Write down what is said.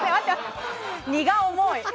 荷が重い。